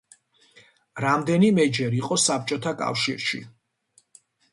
რამდენიმეჯერ იყო საბჭოთა კავშირში.